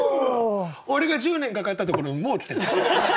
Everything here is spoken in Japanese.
俺が１０年かかったところにもう来てんだ。